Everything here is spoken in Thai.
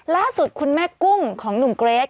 ล่าสุดคุณแม่กุ้งของหนุ่มเกรท